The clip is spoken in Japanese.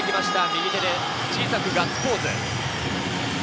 右手で小さくガッツポーズ。